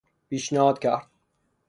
پیشنهاد کرد